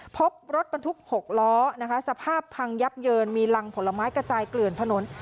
พบรถบรรทุก๖ล้อนะคะสภาพพังยับเยินมีรังผลไม้กระจายเกลื่อนถนน